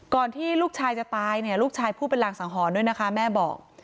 ที่ลูกชายจะตายเนี่ยลูกชายพูดเป็นรางสังหรณ์ด้วยนะคะแม่บอก